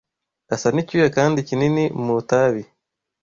asa n’ icyuya kandi kinini mu itabi